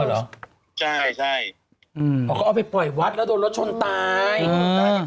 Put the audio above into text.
เหรอใช่ใช่อืมอ๋อเขาเอาไปปล่อยวัดแล้วโดนรถชนตายอืมตาย